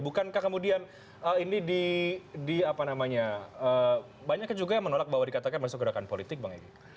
bukankah kemudian ini di apa namanya banyak juga yang menolak bahwa dikatakan masuk gerakan politik bang edi